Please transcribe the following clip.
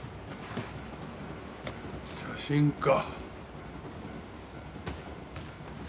写真か。